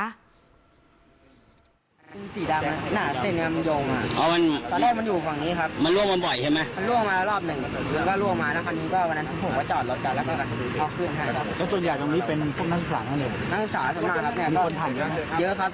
อันตรายมากโอเคอันตรายมากครับ